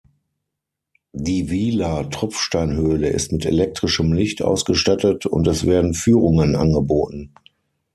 Die Wiehler Tropfsteinhöhle ist mit elektrischem Licht ausgestattet und es werden Führungen angeboten.